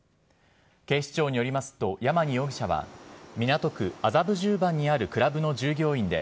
警視庁によりますと、ヤマニ容疑者は、港区麻布十番にあるクラブの従業員で、